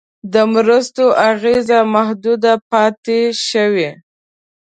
د مرستو اغېز محدود پاتې شوی.